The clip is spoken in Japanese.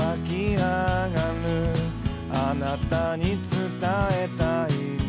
「あなたに伝えたいんだ」